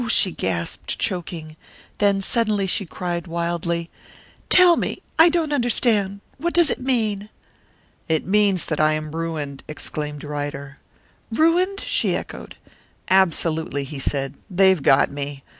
she gasped, choking; then suddenly she cried wildly, "Tell me! I don't understand what does it mean?" "It means that I am ruined," exclaimed Ryder. "Ruined?" she echoed. "Absolutely!" he said. "They've got me!